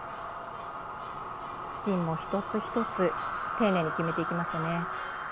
スピンも一つ一つ丁寧に決めていきましたね。